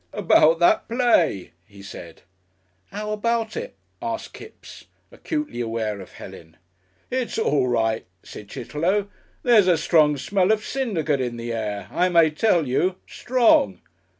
"About that play," he said. "'Ow about it?" asked Kipps, acutely aware of Helen. "It's all right," said Chitterlow. "There's a strong smell of syndicate in the air, I may tell you Strong."